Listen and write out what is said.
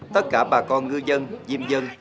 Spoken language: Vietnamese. tất cả bà con ngư dân diêm dân